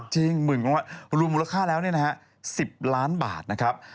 จริงมึงว่ารุมราคาแล้วเนี่ยนะฮะ๑๐ล้านบาทนะครับ